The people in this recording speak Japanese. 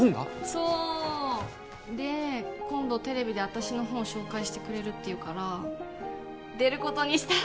そうで今度テレビで私の本紹介してくれるっていうから出ることにした